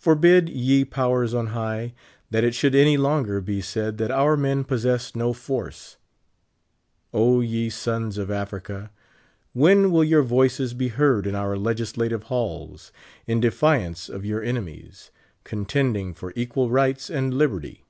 Forbid, ye Powers on high, that it should any longer be said that our men possess no force. O ye sons of Africa, when will your voices be heard in our legislative halls, in defi ance of your enemies, contending for equal rights and liberty